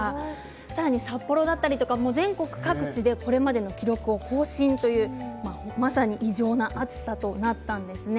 さらに札幌だったり全国各地でこれまでの記録を更新というまさに異常な暑さとなったんです。